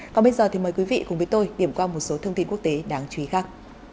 còn bây giờ thì mời quý vị cùng với tôi điểm qua một số thông tin quốc tế đáng chú ý khác